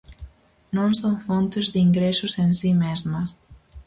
Non son fontes de ingresos en si mesmas.